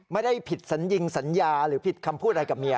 ไม่ได้ผิดสัญญิงสัญญาหรือผิดคำพูดอะไรกับเมีย